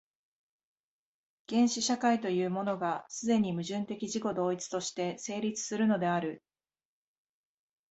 原始社会というものが、既に矛盾的自己同一として成立するのである。